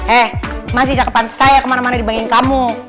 eh masih cakepan saya kemana mana dibanding kamu